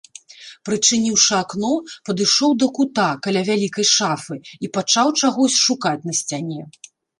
Прычыніўшы акно, падышоў да кута каля вялікай шафы і пачаў чагось шукаць на сцяне.